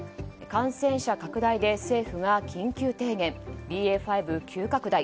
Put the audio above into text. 感染者拡大で政府が緊急提言ＢＡ．５急拡大。